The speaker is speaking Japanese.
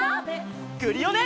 クリオネ！